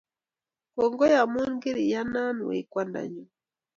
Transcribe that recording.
Kongoi amun kiriyana wei kwandanyunn